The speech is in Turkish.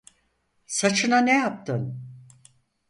Saçına ne yaptın?